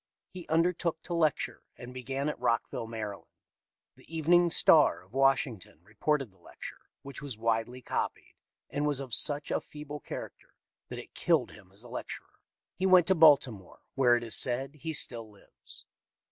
He undertook to lecture, and began at Rockville, Md. The Evening Star, of Washington, reported the lecture, which was widely copied, and was of such a feeble character that it killed him as a lecturer. He went to Baltimore, where, it is said, he still lives.